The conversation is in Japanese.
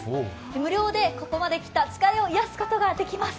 無料でここまで来た足の疲れを癒やすことができます。